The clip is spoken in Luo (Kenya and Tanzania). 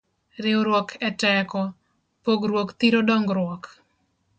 Riwruok e teko, pogruok thiro dongruok